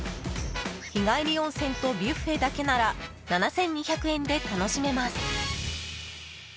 日帰り温泉とビュッフェだけなら７２００円で楽しめます。